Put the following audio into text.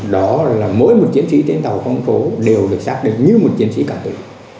đó là mỗi một chiến sĩ tuyến tàu không khổ đều được xác định như một chiến sĩ cả tử